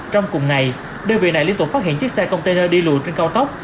trong cùng ngày đơn vị này liên tục phát hiện chiếc xe container đi lùi trên cao tốc